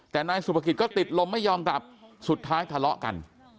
แต่นายสุภกิจก็ติดลมไม่ยอมกลับสุดท้ายทะเลาะกัน